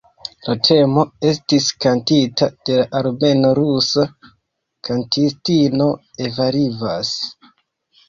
La temo estis kantita de la armeno-rusa kantistino Eva Rivas.